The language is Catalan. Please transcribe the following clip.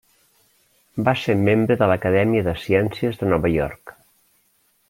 Va ser membre de l'Acadèmia de Ciències de Nova York.